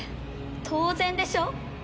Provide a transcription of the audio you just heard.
当然でしょ？